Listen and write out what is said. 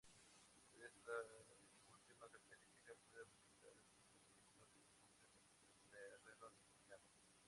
Esta última característica puede representar el comportamiento de derrumbes en terreno empinado.